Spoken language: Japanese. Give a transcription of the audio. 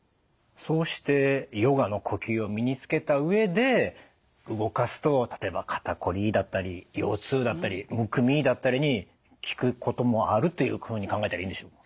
そうしてヨガの呼吸を身につけた上で動かすと例えば肩こりだったり腰痛だったりむくみだったりに効くこともあるというふうに考えたらいいんでしょう？